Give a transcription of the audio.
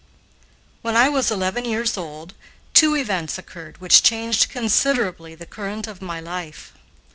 When I was eleven years old, two events occurred which changed considerably the current of my life.